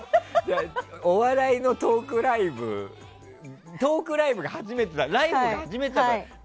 お笑いのトークライブが初めてライブが初めてだった。